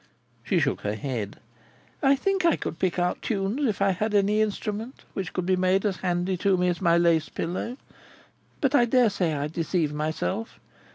She shook her head. "I think I could pick out tunes, if I had any instrument, which could be made as handy to me as my lace pillow. But I dare say I deceive myself.